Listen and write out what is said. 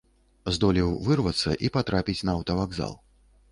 Здолеў вырвацца і патрапіць на аўтавакзал.